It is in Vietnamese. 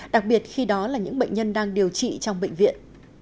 đặc biệt khi đó là những bệnh nhân đang điều trị trong bệnh viện